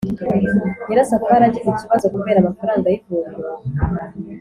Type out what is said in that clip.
nyirasafari agize ikibazo kubera amafaranga y’ivuriro,